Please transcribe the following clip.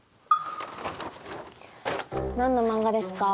何の漫画ですか？